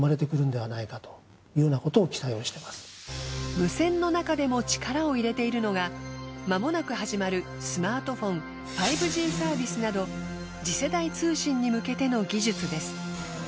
無線のなかでも力を入れているのがまもなく始まるスマートフォン５Ｇサービスなど次世代通信にむけての技術です。